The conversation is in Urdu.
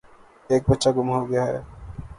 ایک بچہ گُم ہو گیا ہے۔